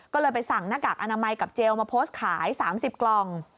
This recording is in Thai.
ก็เลยไปสั่งหน้ากากอนามัยกับเจลมาโพสต์ขาย๓๐กล่อง